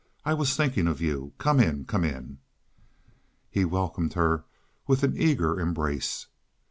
I was thinking of you. Come in—come in." He welcomed her with an eager embrace.